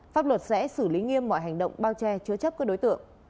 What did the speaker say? pháp luật sẽ xử lý nghiêm mọi hành động bao che chứa chấp các đối tượng